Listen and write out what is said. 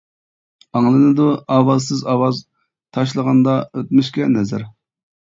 ئاڭلىنىدۇ ئاۋازسىز ئاۋاز، تاشلىغاندا ئۆتمۈشكە نەزەر.